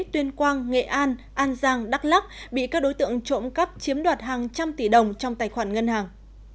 tuyên quang nghệ an an giang đắk lắc bị các đối tượng trộm cắp chiếm đoạt hàng trăm tỷ đồng trong tài khoản ngân hàng